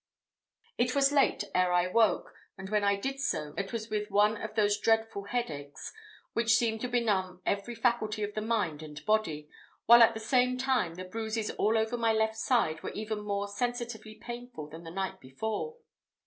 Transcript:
It was late ere I woke, and when I did so, it was with one of those dreadful headachs, which seem to benumb every faculty of the mind and body; while at the same time, the bruises all over my left side were even more sensitively painful than the night before.